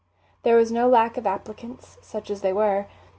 There was no lack of applicants, such as they were.